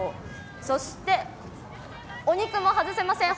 そしてお肉も外せません。